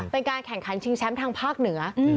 เป็นการแข่งขันชิงแชมป์ทางภาคเหนือ